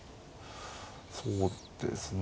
そうですね。